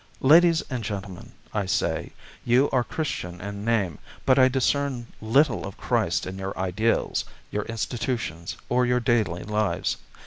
"Ladies and Gentlemen," I say, "you are Christian in name, but I discern little of Christ in your ideals, your institutions, or your daily lives.